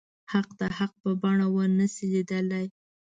حق د حق په بڼه ونه شي ليدلی.